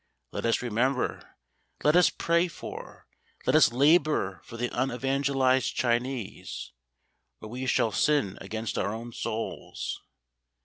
Let us remember, let us pray for, let us labour for the unevangelised Chinese; or we shall sin against our own souls.